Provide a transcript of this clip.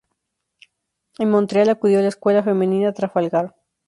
En Montreal, acudió a la escuela femenina Trafalgar.